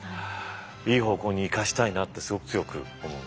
いい方向に生かしたいなってすごく強く思うね。